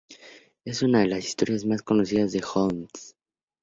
Es una de las historias más conocidas de Holmes.